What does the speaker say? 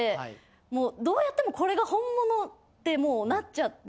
もうどうやってもこれが本物ってもうなっちゃって。